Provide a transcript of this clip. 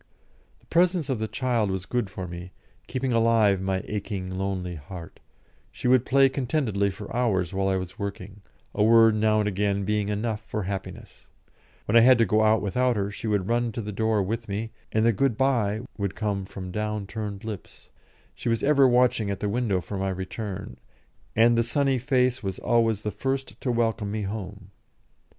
The presence of the child was good for me, keeping alive my aching, lonely heart: she would play contentedly for hours while I was working, a word now and again being enough for happiness; when I had to go out without her, she would run to the door with me, and the "good bye" would come from down curved lips; she was ever watching at the window for my return, and the sunny face was always the first to welcome me home.